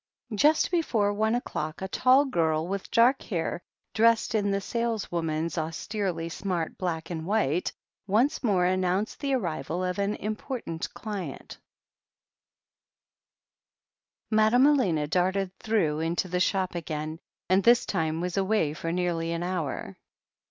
Just before one o'clock, a tall girl with dark hair, dressed in the saleswoman's austerely smart black and white, once more announced the arrival of an important client. THE HEEL OF ACHILLES 123 Madame Elena darted through into the shop again, and this time was away for nearly an hour.